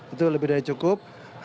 itu lebih dari cukup